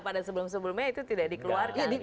pada sebelum sebelumnya itu tidak dikeluarkan